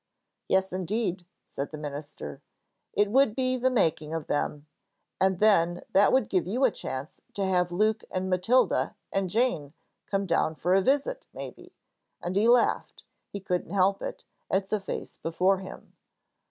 "Yes, indeed," said the minister; "it would be the making of them. And then that would give you a chance to have Luke and Matilda and Jane come down for a visit, maybe," and he laughed he couldn't help it at the face before him.